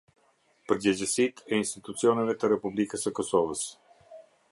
Përgjegjësitë e institucioneve të Republikës së Kosovës.